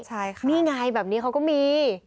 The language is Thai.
ใช่ค่ะนี่ไงแบบนี้เขาก็มี